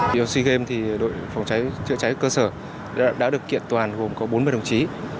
doc games thì đội phòng cháy chạy cháy cơ sở đã được kiện toàn gồm có bốn mươi đồng chí